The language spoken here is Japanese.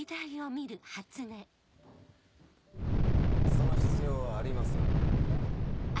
・その必要はありません・えっ？